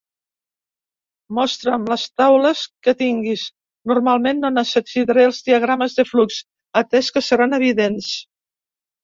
Mostra'm les taules que tinguis. Normalment no necessitaré els diagrames de flux, atès que seran evidents.